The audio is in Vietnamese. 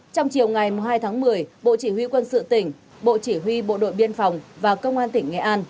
trong chiều ngày hai tháng một mươi bộ chỉ huy quân sự tỉnh bộ chỉ huy bộ đội biên phòng và công an tỉnh nghệ an